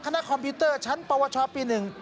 ขณะคอมพิวเตอร์ชั้นปชปีหนึ่ง